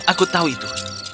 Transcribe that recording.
aku tahu itu